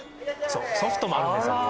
そうソフトもあるんですよ